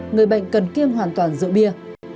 người bệnh cần kiêm hoàn toàn rượu bia